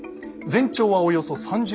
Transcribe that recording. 全長はおよそ３０ｍ。